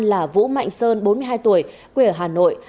là vũ mạnh sơn bốn mươi hai tuổi quê ở hà nội